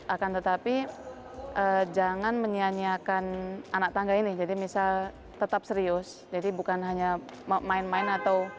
akan tetapi jangan menyianyiakan anak tangga ini jadi misal tetap serius jadi bukan hanya main main atau